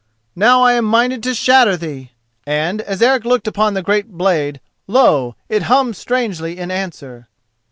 Now I am minded to shatter thee." And as Eric looked on the great blade, lo! it hummed strangely in answer.